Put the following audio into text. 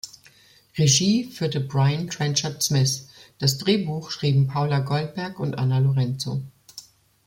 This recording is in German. Regie führte Brian Trenchard-Smith, das Drehbuch schrieben Paula Goldberg und Anna Lorenzo.